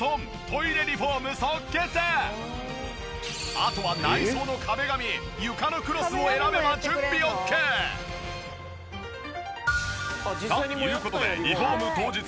あとは内装の壁紙床のクロスを選べば準備オッケー！という事でリフォーム当日。